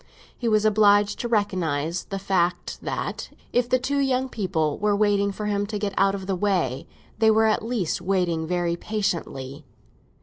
He was obliged to recognise the fact that if the two young people were waiting for him to get out of the way, they were at least waiting very patiently.